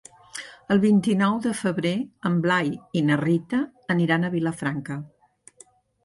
El vint-i-nou de febrer en Blai i na Rita aniran a Vilafranca.